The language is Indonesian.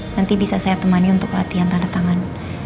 nanti bisa saya temani untuk latihan tanda tangan